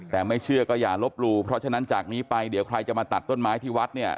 แต่ไม่เชื่อก็อย่าลบหลู่เพราะฉะนั้นจากนี้ไปเดี๋ยวใครจะมาตัดต้นไม้ที่วัดเนี่ย